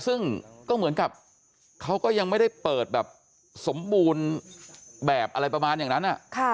ซึ่งก็เหมือนกับเขาก็ยังไม่ได้เปิดแบบสมบูรณ์แบบอะไรประมาณอย่างนั้น